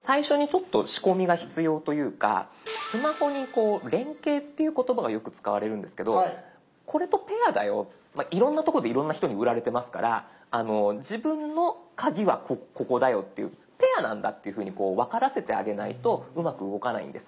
最初にちょっと仕込みが必要というか「スマホに連携」っていう言葉がよく使われるんですけどこれとペアだよいろんなとこでいろんな人に売られてますから自分のカギはここだよっていうペアなんだっていうふうにこう分からせてあげないとうまく動かないんです。